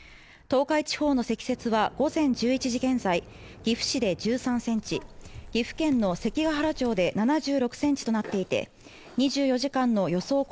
東海地方の積雪は午前１１時現在、岐阜市で１３ｃｍ、岐阜県の関ケ原町で７６ｃｍとなっていて、２４時間の予想